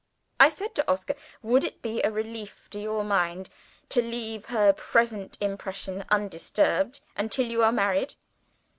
I said to Oscar, 'Would it be a relief to your mind to leave her present impression undisturbed until you are married?'